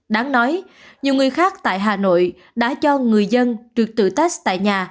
đáng nói nhiều người khác tại hà nội đã cho người dân trực tự test tại nhà